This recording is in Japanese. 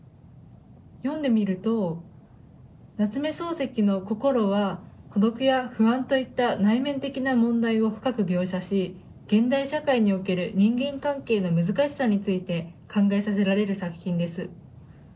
読んでみると夏目漱石のこころは孤独や不安といった内面的な問題を深く描写し現代社会における人間関係の難しさについて考えさせられる作品です。